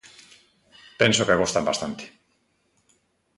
Penso que gostan bastante.